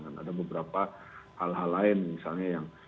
dan ada beberapa hal hal lain misalnya yang